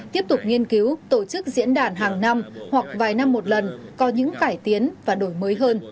tiếp tục nghiên cứu tổ chức diễn đàn hàng năm hoặc vài năm một lần có những cải tiến và đổi mới hơn